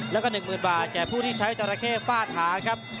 แล้วก็๑๐๐๐บาทแก่ผู้ที่ใช้จราเข้ฝ้าถาครับ